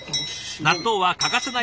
納豆は欠かせない